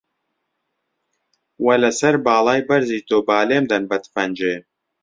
وە لە سەر باڵای بەرزی تۆ، با لێم دەن بە تفەنگێ